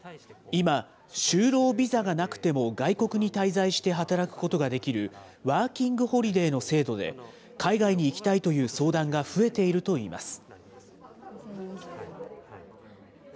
今、就労ビザがなくても、外国に滞在して働くことができる、ワーキング・ホリデーの制度で、海外に行きたいという相談が増えているといいます。